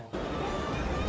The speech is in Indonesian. jemaah di jemaah